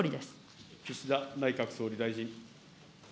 岸田内閣総理大臣。